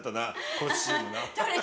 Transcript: コスチュームな。